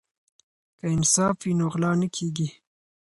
که انصاف وي نو غلا نه کیږي.